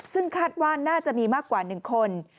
ซึ่งคาดว่าน่าจะมีมากกว่า๑คน